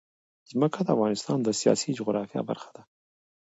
ځمکه د افغانستان د سیاسي جغرافیه برخه ده.